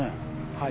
はい。